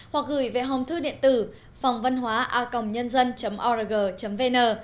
hoặc gửi về hòm thư điện tử phòngvănhoaacongnhanzan org vn